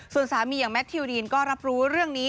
ส่วนสามีอย่างแมททิวดีนก็รับรู้เรื่องนี้